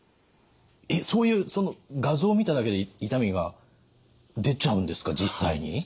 えっそういうその画像を見ただけで痛みが出ちゃうんですか実際に？